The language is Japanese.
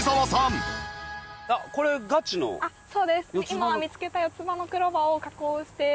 今見つけた四つ葉のクローバーを加工して。